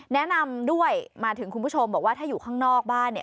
แนะนำด้วยมาถึงคุณผู้ชมบอกว่าถ้าอยู่ข้างนอกบ้านเนี่ย